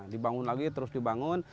dibangun lagi terus dibangun